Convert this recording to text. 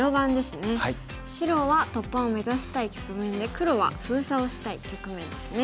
白は突破を目指したい局面で黒は封鎖をしたい局面ですね。